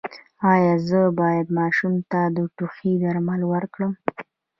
ایا زه باید ماشوم ته د ټوخي درمل ورکړم؟